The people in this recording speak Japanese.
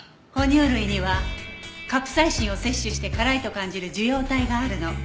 哺乳類にはカプサイシンを摂取して辛いと感じる受容体があるの。